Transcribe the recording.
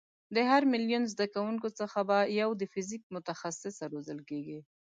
له هر میلیون زده کوونکیو څخه به یو د فیزیک متخصصه روزل کېږي.